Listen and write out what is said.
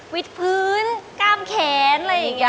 พื้นกล้ามแขนอะไรอย่างนี้